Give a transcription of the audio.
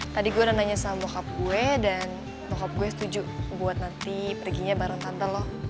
tadi gue udah nanya sama hub gue dan mohab gue setuju buat nanti perginya bareng tante loh